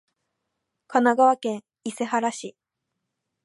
神奈川県伊勢原市